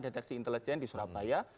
deteksi intelijen di surabaya